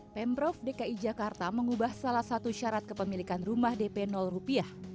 pemprov dki jakarta mengubah salah satu syarat kepemilikan rumah dp rupiah